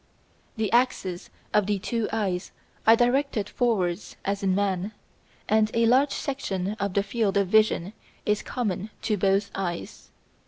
The axes of the two eyes are directed forwards as in man, and a large section of the field of vision is common to both eyes.